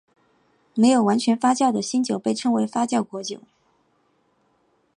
没有完全发酵的新酒被称为发酵果酒。